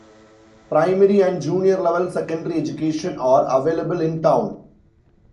Primary and junior level secondary education are available in town.